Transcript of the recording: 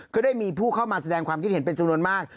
ก็ได้มีผู้เข้ามาแสดงความคิดเห็นเป็นจำนวนมาก